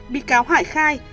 bị cáo hải khai